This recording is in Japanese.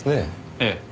ええ。